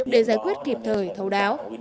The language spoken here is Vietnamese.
để giải quyết kịp thời thấu đáo